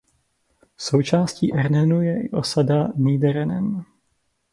Součástí Ernenu je i i osada Niederernen.